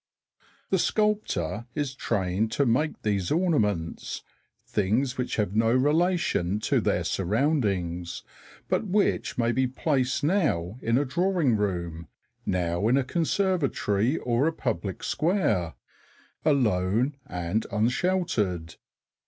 The sculptor is trained to make these ornaments, things which have no relation to their surroundings, but which may be placed now in a drawing room, now in a conservatory or a public square, alone and unsheltered.